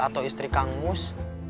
atau istri kang mus